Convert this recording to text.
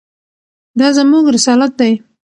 دا زموږ رسالت دی.